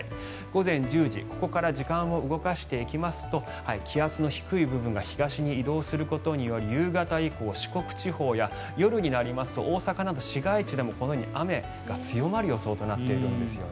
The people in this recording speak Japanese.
午前１０時ここから時間を動かしていきますと気圧の低い部分が東に移動することにより夕方以降、四国地方や夜になりますと大阪でも市街地でこのように雨が強まる予想となっています。